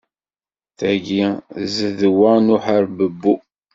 Tagi d zzedwa n uḥerbebbu!